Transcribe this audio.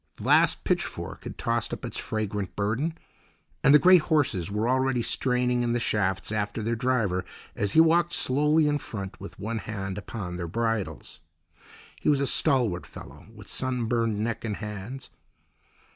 The last pitchfork had tossed up its fragrant burden, and the great horses were already straining in the shafts after the driver, as he walked slowly in front with one hand upon their bridles. He was a stalwart fellow, with sunburned neck and hands.